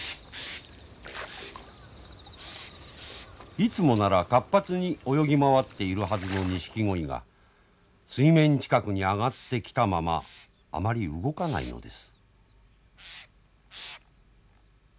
いつもなら活発に泳ぎ回っているはずのニシキゴイが水面近くに上がってきたままあまり動かないのです。